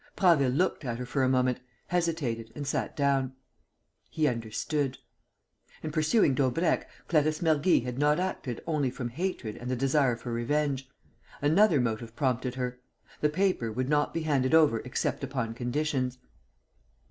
Prasville looked at her for a moment, hesitated and sat down. He understood. In pursuing Daubrecq, Clarisse Mergy had not acted only from hatred and the desire for revenge. Another motive prompted her. The paper would not be handed over except upon conditions.